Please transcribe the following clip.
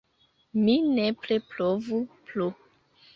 Mi nepre provu plu!